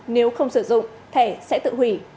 nếu không sử dụng thẻ sẽ tự hủy